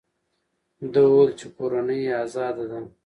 ده وویل چې کورنۍ یې ازاده ده.